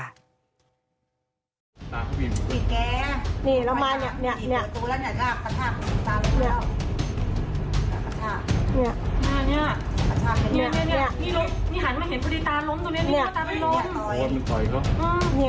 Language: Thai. เห็นคือหันเมื่อเห็นตีเนี่ยตาล้มตรงนี้มาตาล้มล้ม